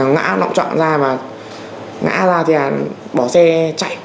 ngã lọng trọn ra mà ngã ra thì bỏ xe chạy